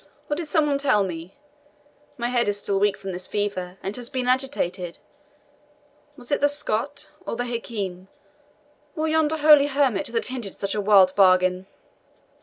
or did some one tell me? My head is still weak from this fever, and has been agitated. Was it the Scot, or the Hakim, or yonder holy hermit, that hinted such a wild bargain?"